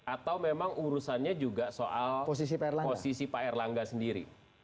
atau memang urusannya juga soal posisi pak erlangga sendiri